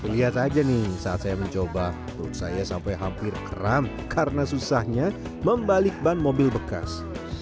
lihat aja nih saat saya mencoba perut saya sampai hampir kram karena susahnya membalik ban mobil bekas